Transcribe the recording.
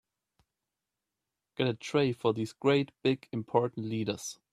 Get a tray for these great big important leaders.